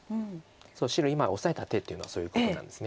白今オサえた手っていうのはそういうことなんです。